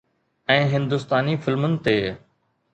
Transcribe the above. ۽ هندستاني فلمن تي